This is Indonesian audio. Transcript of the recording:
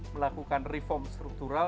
melakukan reform struktural